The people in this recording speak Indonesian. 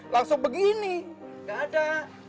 langsung begini gak ada